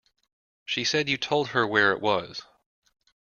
She said you told her where it was.